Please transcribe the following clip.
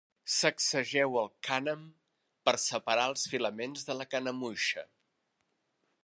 Sacsegeu el cànem per separar els filaments de la canemuixa.